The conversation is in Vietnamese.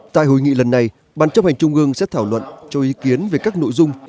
tại hội nghị lần này ban chấp hành trung ương sẽ thảo luận cho ý kiến về các nội dung